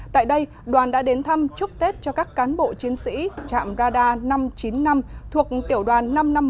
tại đây đoàn đã đến thăm chúc tết cho các cán bộ chiến sĩ trạm radar năm trăm chín mươi năm thuộc tiểu đoàn năm trăm năm mươi một